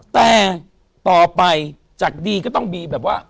แต่ต่อไปจากดีก็ต้องมีแบบว่า